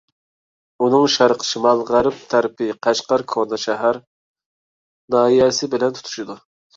ئۇنىڭ شەرق، شىمال، غەرب تەرىپى قەشقەر كوناشەھەر ناھىيەسى بىلەن تۇتىشىدۇ.